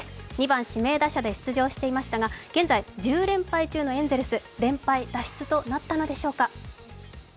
２番・指名打者で出場していましたが現在、１０連敗中のエンゼルス連敗脱出となったのでしょうか？